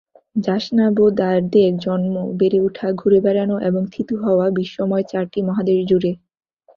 জাসনাবোদার্দের জন্ম, বেড়ে ওঠা, ঘুরে বেড়ানো এবং থিতু হওয়া বিশ্বময় চারটি মহাদেশজুড়ে।